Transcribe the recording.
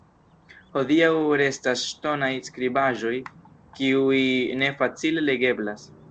Hodiaŭ restas ŝtonaj skribaĵoj, kiuj ne facile legeblas.